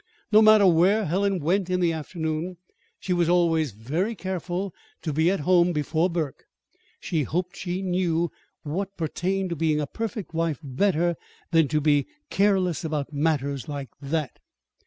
No matter where Helen went in the afternoon, she was always very careful to be at home before Burke. She hoped she knew what pertained to being a perfect wife better than to be careless about matters like that!